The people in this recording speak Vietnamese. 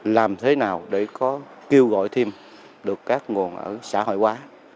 làm thế nào để có kêu gọi thêm được các nguồn ở xã hội hóa